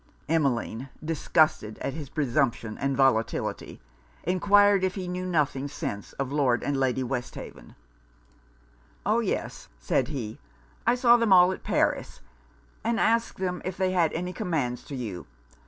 Emmeline, disgusted at his presumption and volatility, enquired if he knew nothing since of Lord and Lady Westhaven. 'Oh, yes,' said he, 'I saw them all at Paris, and asked them if they had any commands to you?